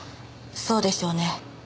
そうでしょうね。